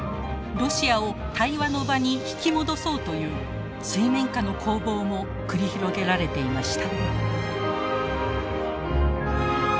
ロシアを対話の場に引き戻そうという水面下の攻防も繰り広げられていました。